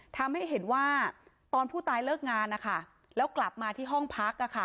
ทำให้เห็นว่าตอนผู้ตายเลิกงานนะคะแล้วกลับมาที่ห้องพัก